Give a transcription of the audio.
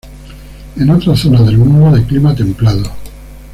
En otras zonas del mundo de clima templado.